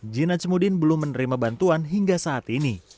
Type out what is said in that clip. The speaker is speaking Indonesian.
jin najmudin belum menerima bantuan hingga saat ini